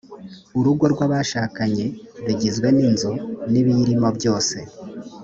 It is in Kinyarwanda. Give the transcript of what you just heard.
urugo rw’abashakanye rugizwe n’inzu n’ibiyirimo byose